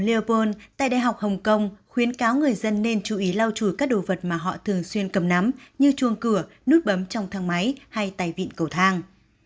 giáo sư y tế cộng đồng leopold tại đại học hồng kông khuyến cáo người dân nên chú ý lau chùi các đồ vật mà họ thường xuyên cầm nắm như chuồng cửa nút bấm trong thang máy hay tài vịn cầu thang